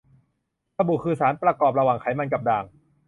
สบู่คือสารประกอบระหว่างไขมันกับด่าง